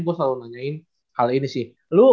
gue selalu nanyain kali ini sih